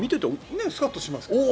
スカッとしますよね。